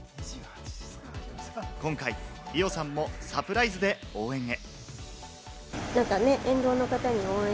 今回、伊代さんもサプライズで応援へ。